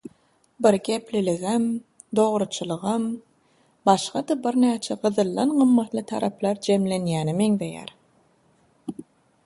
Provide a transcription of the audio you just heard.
bir gepliligem, dogruçyllygam… başga-da birnäçe gyzyldan gymmatly taraplar jemlenýäne meňzeýär.